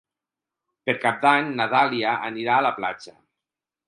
Per Cap d'Any na Dàlia anirà a la platja.